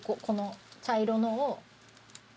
この茶色のを。